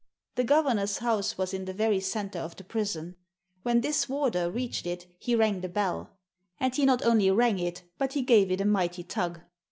The governor's house was in the very centre of the prison. When this warder reached it he rang the bell ; and he not only rang it, but he gave it a mighty tug.